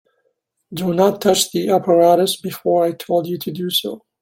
Do not touch the apparatus before I told you to do so.